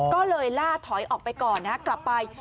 ก็เลยล่าถอยออกไปก่อนนะฮะกลับไป